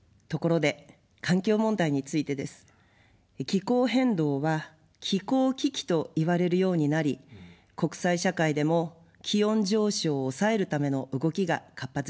気候変動は気候危機といわれるようになり、国際社会でも気温上昇を抑えるための動きが活発です。